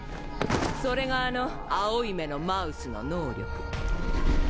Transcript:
それがあの青い目のマウスの能力。